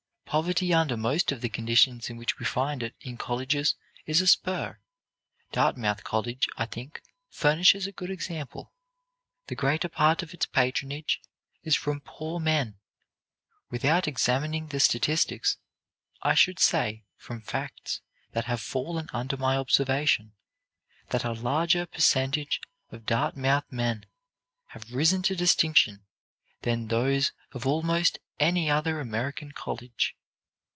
Poverty under most of the conditions in which we find it in colleges is a spur. Dartmouth College, I think, furnishes a good example. The greater part of its patronage is from poor men. Without examining the statistics, I should say, from facts that have fallen under my observation, that a larger percentage of Dartmouth men have risen to distinction than those of almost any other American college."